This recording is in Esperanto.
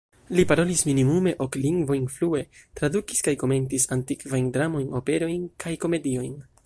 Li parolis minimume ok lingvojn flue, tradukis kaj komentis antikvajn dramojn, operojn kaj komediojn.